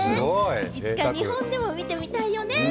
いつか日本でも見てみたいよね。